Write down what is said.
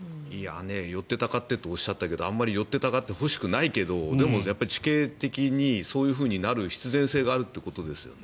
寄ってたかってっておっしゃったけどあまり寄ってたかってほしくないけど地形的にそうなる必然性があるということですね。